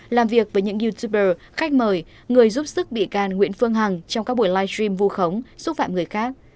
làm việc với những youtuber khách mời người giúp sức bị can nguyễn phương hằng trong các buổi live stream vu khống xúc phạm người khác